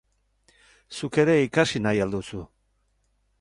Zuk ere ikasi nahi al duzu?